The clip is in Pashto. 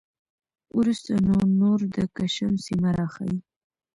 وروسته نو نور د کشم سیمه راخي